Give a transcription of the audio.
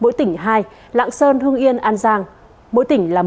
mỗi tỉnh hai lạng sơn hương yên an giang mỗi tỉnh là một